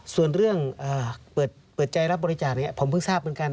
ส่วนเรื่องเปิดใจรับบริจาคผมเพิ่งทราบเหมือนกัน